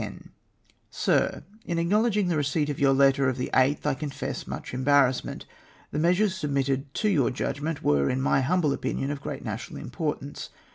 Sir, — In acknowledging the receipt of your letter of the 8th I confess much embarrassment. The measures submitted to your judgment were, in my humble opinion, of great national importance.